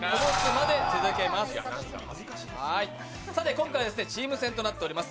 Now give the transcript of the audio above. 今回はチーム戦となっております。